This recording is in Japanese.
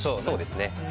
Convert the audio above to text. そうですね。